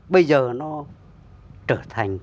bây giờ nó trở thành